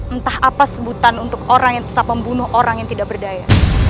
entah apa sebutan untuk orang yang tetap membunuh orang yang tidak berdaya